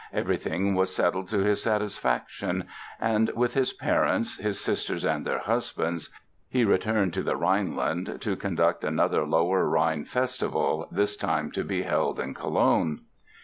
Everything was settled to his satisfaction and, with his parents, his sisters and their husbands, he returned to the Rhineland to conduct another Lower Rhine Festival, this time to be held in Cologne.